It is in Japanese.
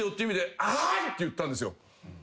意味で。って言ったんですよ。